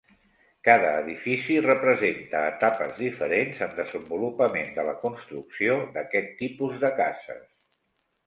Cada edifici representa etapes diferents en desenvolupament de la construcció d'aquest tipus de cases.